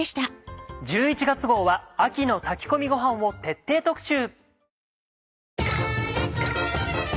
１１月号は「秋の炊き込みごはん」を徹底特集。